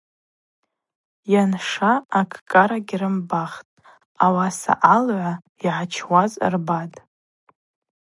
Йанша, акӏкӏара гьрымбахтӏ, Ауаса алгӏва йгӏачуаз рбатӏ.